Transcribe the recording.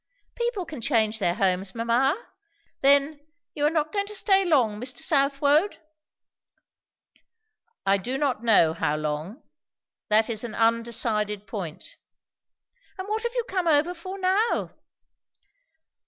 "People can change their homes, mamma. Then, you are not going to stay long, Mr. Southwode?" "I do not know how long. That is an undecided point." "And what have you come over for now?"